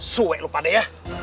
suek lu pada ya